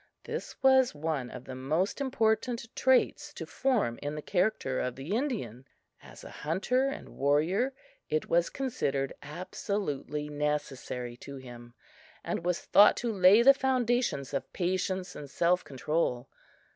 This was one of the most important traits to form in the character of the Indian. As a hunter and warrior it was considered absolutely necessary to him, and was thought to lay the foundations of patience and self control.